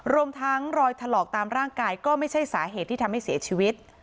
รวมทั้งรอยถลอกตามร่างกายก็ไม่ใช่สาเหตุที่ทำให้เสียชีวิต